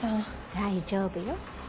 大丈夫よ。